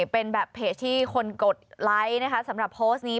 เป็นแบบเพจที่คนกดไลค์นะคะสำหรับโพสต์นี้